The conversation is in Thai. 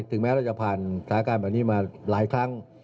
แม้เราจะผ่านสถานการณ์แบบนี้มาหลายครั้ง